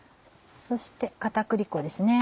そして片栗粉ですね。